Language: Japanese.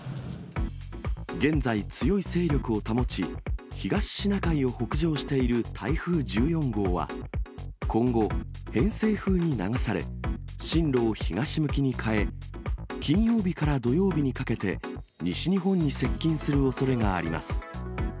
現在、強い勢力を保ち、東シナ海を北上している台風１４号は、今後、偏西風に流され、進路を東向きに変え、金曜日から土曜日にかけて西日本に接近するおそれがあります。